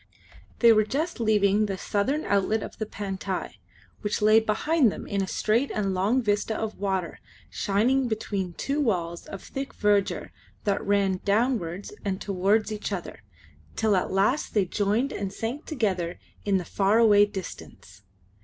They were just leaving the southern outlet of the Pantai, which lay behind them in a straight and long vista of water shining between two walls of thick verdure that ran downwards and towards each other, till at last they joined and sank together in the far away distance.